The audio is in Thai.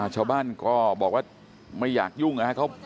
ชาวบ้านก็บอกว่าไม่อยากยุ่งอ่ะ